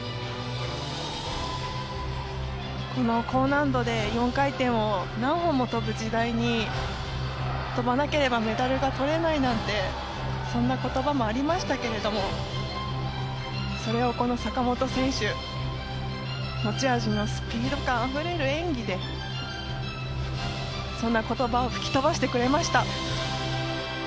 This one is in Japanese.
高難度で４回転を何本も跳ぶ時代に跳ばなければメダルがとれないなんてそんな言葉もありましたけどそれをこの坂本選手持ち味のスピード感あふれる演技でそんな言葉を吹き飛ばしてくれました。